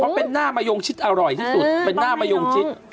เพราะเป็นหน้ามะยงชิดอร่อยที่สุดเป็นหน้ามะยงชิด